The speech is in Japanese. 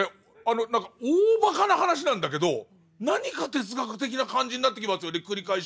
あの何か大ばかな話なんだけど何か哲学的な感じになってきますよね繰り返していくと。